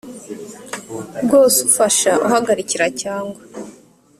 bwose ufasha uhagarikira cyangwa